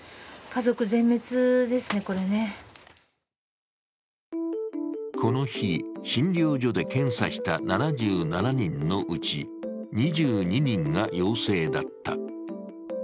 そして１時間後この日、診療所で検査した７７人のうち、２２人が陽性だった。